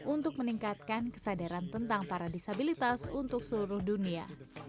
untuk meningkatkan kesadaran tentang para disabilitas untuk seluruh dunia